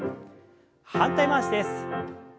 反対回しです。